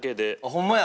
ホンマや！